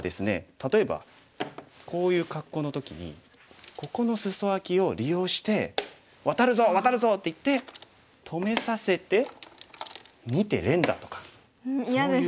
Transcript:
例えばこういう格好の時にここのスソアキを利用して「ワタるぞワタるぞ」って言って止めさせて２手連打とかそういう。